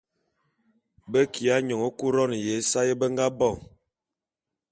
Be kiya nyoñe Couronne ya ésae be nga bo.